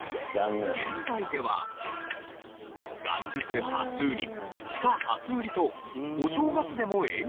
現在では元日初売り２日初売りとお正月でも営業しているお店は多いが。